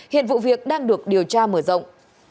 hiện vụ việc đang được điều tra mở rộng